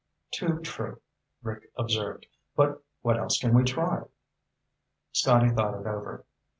"Too true," Rick observed. "But what else can we try?" Scotty thought it over.